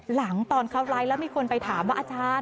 หลังตอนเข้าไลน์แล้วมีคนไปถามว่า